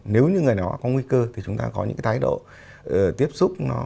nếu như người nào có nguy cơ thì chúng ta có những thái độ tiếp xúc